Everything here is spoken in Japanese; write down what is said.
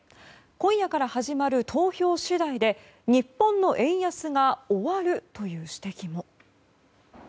今夜から始まる投票次第で日本の円安が終わるという指摘も。